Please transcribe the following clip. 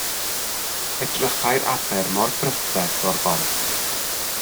Edrychai'r aber mor brydferth o'r bont.